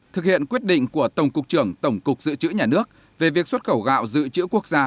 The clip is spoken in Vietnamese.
thực hiện quyết định của tổng cục trưởng tổng cục dự trữ nhà nước về việc xuất khẩu gạo dự trữ quốc gia